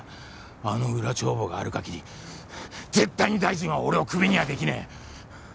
あの裏帳簿がある限りはぁ絶対に大臣は俺をクビにはできねぇ。